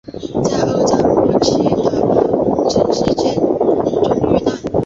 在二战末期的宫城事件中遇难。